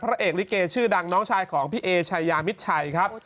เอกลิเกชื่อดังน้องชายของพี่เอชายามิดชัยครับ